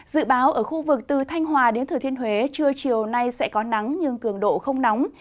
dự báo ở khu vực từ thanh hòa đến thừa thiên huế trưa chiều nay sẽ có nắng nhưng cường độ không nóng